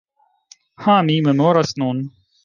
Ha, mi memoras nun.